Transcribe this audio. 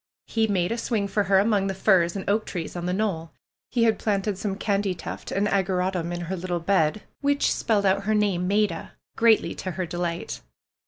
He made a swing for her among the firs and oak trees on the knoll. He had planted some candytuft and ageratum in her little bed, which spelled out her name, ^^Maida," greatly to her delight.